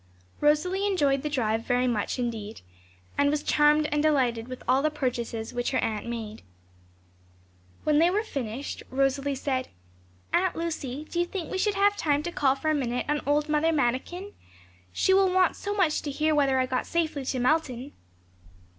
Rosalie enjoyed the drive very much indeed, and was charmed and delighted with all the purchases which her aunt made. When they were finished, Rosalie said, 'Aunt Lucy, do you think we should have time to call for a minute on old Mother Manikin? she will want so much to hear whether I got safely to Melton.'